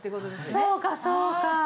そうかそうか。